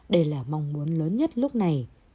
đây là mong muốn lớn nhất lúc này